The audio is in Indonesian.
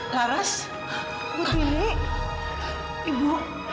laras bu tini ibu